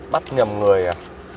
bắt nhầm người à